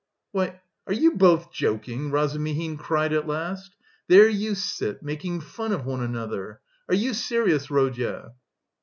"Why, are you both joking?" Razumihin cried at last. "There you sit, making fun of one another. Are you serious, Rodya?"